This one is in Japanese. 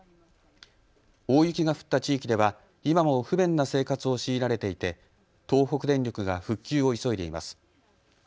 大雪が降った地域では今も不便な生活を強いられていて東北電力が復旧を急いでいます。